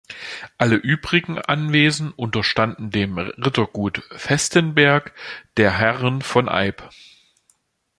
Alle übrigen Anwesen unterstanden dem Rittergut Vestenberg der Herren von Eyb.